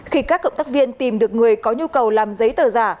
khi các cộng tác viên tìm được người có nhu cầu làm giấy tờ giả